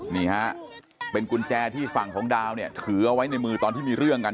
นี่ฮะเป็นกุญแจที่ฝั่งของดาวเนี่ยถือเอาไว้ในมือตอนที่มีเรื่องกัน